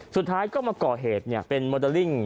สุดท้ายก็มาก่อเหตุเป็นโมเดลลิ่ง